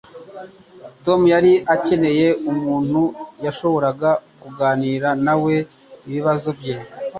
Tom yari akeneye umuntu yashoboraga kuganira nawe ibibazo bye